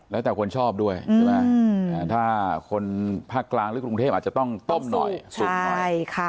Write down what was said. แล้วแต่คนชอบด้วยถ้าคนภาคกลางหรือกรุงเทพอาจจะต้องต้มหน่อย